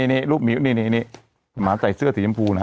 นี่รูปมิ้วนี่เหมือนใส่เสื้อสีย้ำพูนะ